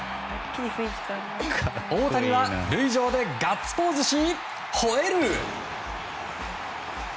大谷は塁上でガッツポーズし、吠える！